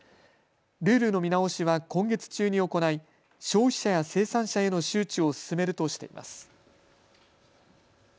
ルールの見直しは今月中に行い、消費者や生産者への周知を進めるとしています。